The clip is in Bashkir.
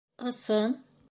— Ысын!